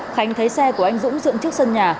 khánh thấy xe của anh dũng dựng trước sân nhà